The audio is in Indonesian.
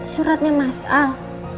suratnya mas al